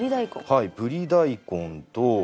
はいぶり大根と。